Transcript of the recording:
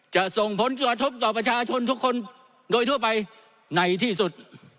ส่งผลกระทบต่อประชาชนทุกคนโดยทั่วไปในที่สุด